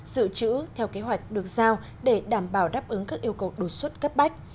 dự trữ theo kế hoạch được giao để đảm bảo đáp ứng các yêu cầu đột xuất cấp bách